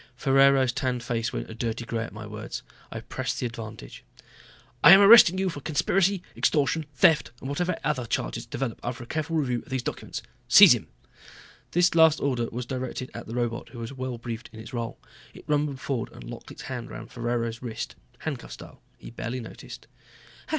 Ferraro's tanned face went a dirty gray at my words. I pressed the advantage. "I am arresting you for conspiracy, extortion, theft, and whatever other charges develop after a careful review of these documents. Seize him." This last order was directed at the robot who was well briefed in its role. It rumbled forward and locked its hand around Ferraro's wrist, handcuff style. He barely noticed.